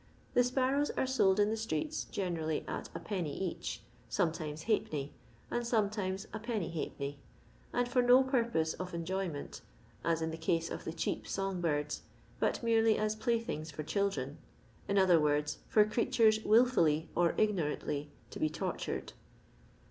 The sparrows are sold in the streets generally at \d, each, some times halfpenny, and sometimes \\d», and for no purpose of enjoyment (as in the case of the cheap song birds), but merely as pkythings for children ; in other words, for creatures wilfully or igno rantly to be tortured.